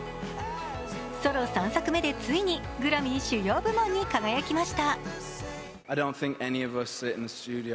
ソロ３作目でついにグラミー主要部門に輝きました。